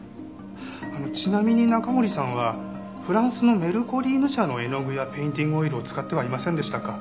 ちなみに中森さんはフランスのメルコリーヌ社の絵の具やペインティングオイルを使ってはいませんでしたか？